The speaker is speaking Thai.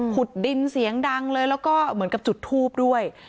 ขุดดินเสียงดังเลยแล้วก็เหมือนกับจุดทูบด้วย